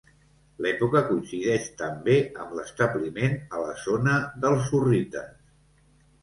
L'època coincideix també amb l'establiment a la zona dels hurrites.